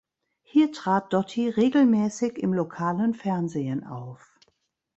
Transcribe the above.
Hier trat Dottie regelmäßig im lokalen Fernsehen auf.